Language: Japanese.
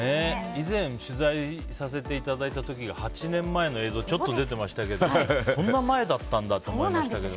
以前取材させていただいた時が８年前の映像ちょっと出てましたけどそんな前だったんだと思いましたけど。